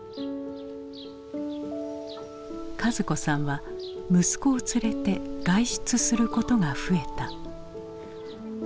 一子さんは息子を連れて外出することが増えた。